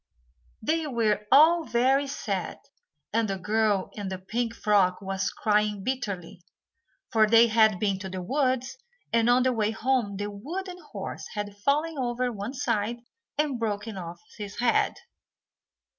They were all very sad, and the girl in the pink frock was crying bitterly, for they had been to the woods, and on the way home the wooden horse had fallen over on one side and broken off his head.